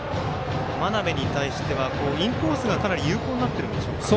真鍋に対してはインコースがかなり有効になってるんでしょうか。